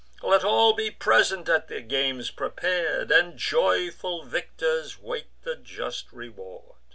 Let all be present at the games prepar'd, And joyful victors wait the just reward.